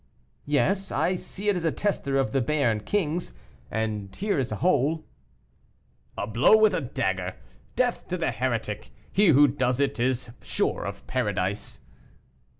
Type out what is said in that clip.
"Yes, I see it is a tester of the Béarn king's, and here is a hole." "A blow with a dagger. Death to the heretic. He who does it is sure of Paradise."